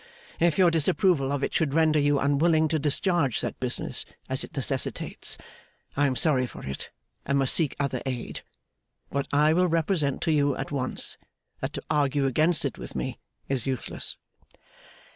If your disapproval of it should render you unwilling to discharge such business as it necessitates, I am sorry for it, and must seek other aid. But I will represent to you at once, that to argue against it with me is useless.